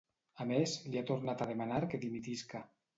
A més, li ha tornat a demanar que dimitisca.